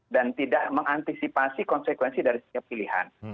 tidak mengantisipasi konsekuensi dari setiap pilihan